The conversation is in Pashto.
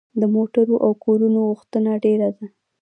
د موټرو او کورونو غوښتنه ډیره ده.